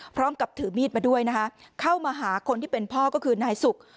พร้อมกับถือมีดมาด้วยนะคะเข้ามาหาคนที่เป็นพ่อก็คือนายสุก